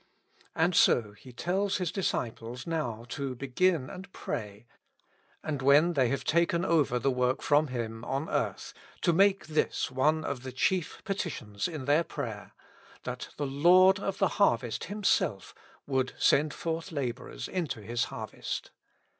And so He tells His disciples now to begin and pray, and, when they have taken over the work from Him on earth, to make this one of the chief petitions in their prayer : That the Lord of the harvest Himself would send forth laborers into His harvest.